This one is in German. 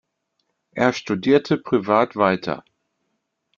Er studierte privat weiter.